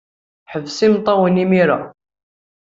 Ḥbes imeṭṭawen imir-a.